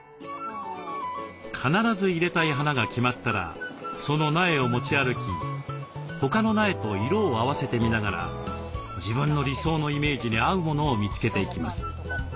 必ず入れたい花が決まったらその苗を持ち歩き他の苗と色を合わせて見ながら自分の理想のイメージに合うものを見つけていきます。